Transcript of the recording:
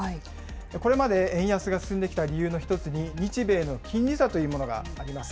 これまで円安が進んできた理由の１つに、日米の金利差というものがあります。